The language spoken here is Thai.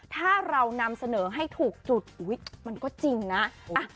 ถ้าเรานำเสนอให้ถูกจุดมันก็จริงนะ